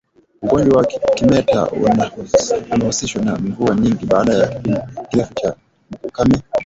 Ugonjwa wa kimeta unahusishwa na mvua nyingi baada ya kipindi kirefu cha ukame